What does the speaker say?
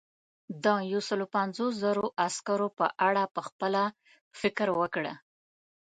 د یو سلو پنځوس زرو عسکرو په اړه پخپله فکر وکړه.